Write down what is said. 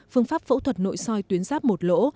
phương pháp phẫu thuật nội soi tuyến giáp một lỗ